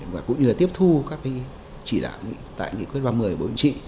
và cũng như là tiếp thu các cái chỉ đảng tại nghị quyết ba mươi bộ chính trị